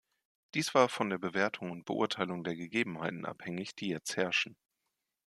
Dies war von der Bewertung und Beurteilung der Gegebenheiten abhängig, die jetzt herrschen.